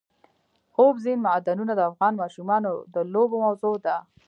اوبزین معدنونه د افغان ماشومانو د لوبو موضوع ده.